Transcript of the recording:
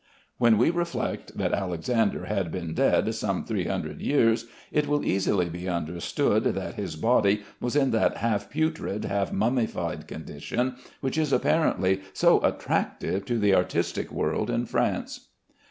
When we reflect that Alexander had been dead some three hundred years, it will easily be understood that his body was in that half putrid, half mummified condition which is apparently so attractive to the artistic world in France.